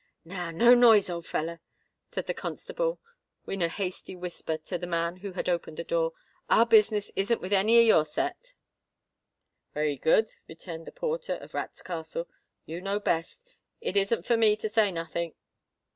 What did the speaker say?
"Now, no noise, old feller," said the constable, in a hasty whisper to the man who had opened the door: "our business isn't with any of your set." "Wery good," returned the porter of Rats' Castle: "you know best—it isn't for me to say nothink."